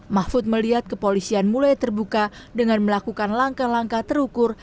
mahfud melihat kepolisian mulai terbuka dengan melakukan langkah langkah terukur